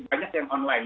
banyak yang online